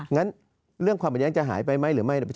งั้นเรื่องความขัดแย้งจะหายไปไหมหรือไม่